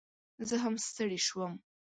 زه هم ستړي شوم